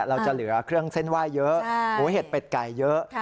เราจะเหลือเครื่องเส้นไหว้เยอะหมูเห็ดเป็ดไก่เยอะ